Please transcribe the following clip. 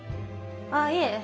ああいえ